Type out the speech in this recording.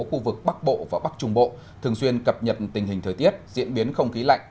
khu vực bắc bộ và bắc trung bộ thường xuyên cập nhật tình hình thời tiết diễn biến không khí lạnh